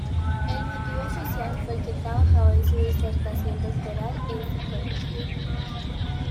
El motivo oficial fue que trabajaba en su disertación doctoral en psicología.